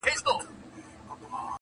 ستا دي غاړه وي په ټوله قام کي لکه-